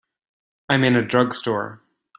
I'm in a drugstore.